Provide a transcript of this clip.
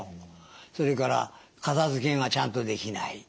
それから片付けがちゃんとできない。